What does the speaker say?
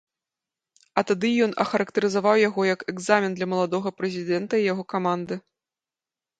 А тады ён ахарактарызаваў яго як экзамен для маладога прэзідэнта і яго каманды.